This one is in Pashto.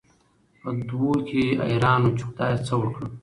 په دوو کې حېران وو، چې خدايه څه وکړم؟